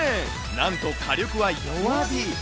なんと、火力は弱火。